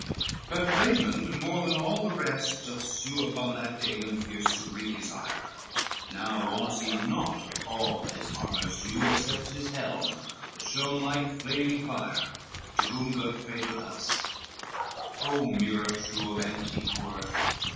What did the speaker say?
LXVIII But Raymond more than all the rest doth sue Upon that Pagan fierce to wreak his ire, Now wants he naught of all his armors due Except his helm that shone like flaming fire. To whom Godfredo thus; "O mirror true Of antique worth!